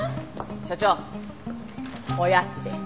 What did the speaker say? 所長おやつです。